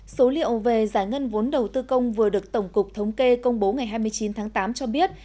số liệu về giải ngân vốn đầu tư công vừa được tổng cục thống kê công bố ngày hai mươi chín tháng tám cho biết